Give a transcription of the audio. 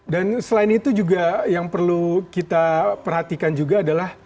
selain itu juga yang perlu kita perhatikan juga adalah